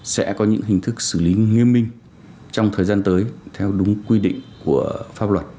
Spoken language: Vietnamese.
sẽ có những hình thức xử lý nghiêm minh trong thời gian tới theo đúng quy định của pháp luật